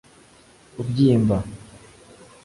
kubyimba